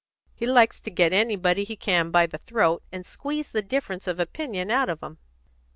He likes to get anybody he can by the throat, and squeeze the difference of opinion out of 'em."